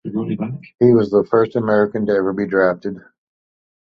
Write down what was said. He is the first Armenian ever to be drafted.